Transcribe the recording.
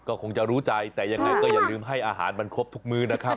ก็คงจะรู้ใจแต่ยังไงก็อย่าลืมให้อาหารมันครบทุกมื้อนะครับ